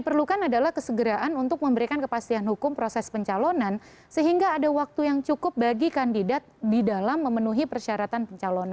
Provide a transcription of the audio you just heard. diperlukan adalah kesegeraan untuk memberikan kepastian hukum proses pencalonan sehingga ada waktu yang cukup bagi kandidat di dalam memenuhi persyaratan pencalonan